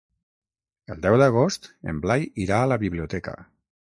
El deu d'agost en Blai irà a la biblioteca.